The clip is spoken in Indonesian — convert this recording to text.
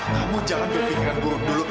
kamu jangan berpikiran buruk dulu